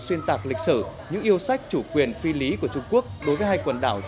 xuyên tạc lịch sử những yêu sách chủ quyền phi lý của trung quốc đối với hai quần đảo